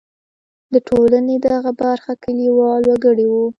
د ټولنې دغه برخه کلیوال وګړي وو.